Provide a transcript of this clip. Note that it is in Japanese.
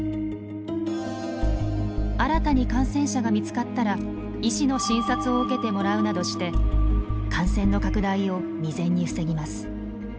新たに感染者が見つかったら医師の診察を受けてもらうなどして感染の拡大を未然に防ぎます。